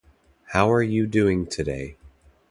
How are you doing today?